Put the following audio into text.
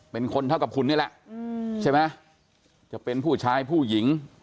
เป็นคนเท่ากับคุณนี่แหละใช่ไหมจะเป็นผู้ชายผู้หญิง